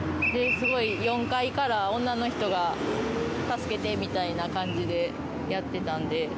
４階から女の人が助けてみたいな感じでやっていたので。